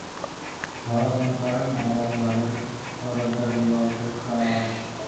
ঘর অন্ধকার, নাবার ঘরের খোলা দরজা দিয়ে অল্প একটু আলো আসছে।